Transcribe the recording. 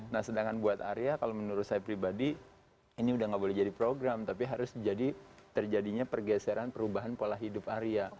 nah sedangkan buat arya kalau menurut saya pribadi ini udah gak boleh jadi program tapi harus jadi terjadinya pergeseran perubahan pola hidup area